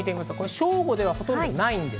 正午ではほとんどないです。